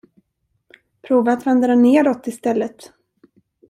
Prova att vända den nedåt istället?